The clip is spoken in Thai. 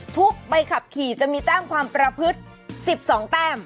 ใบขับขี่จะมีแต้มความประพฤติ๑๒แต้ม